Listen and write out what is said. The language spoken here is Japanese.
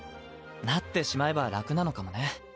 なってしまえば楽なのかもね。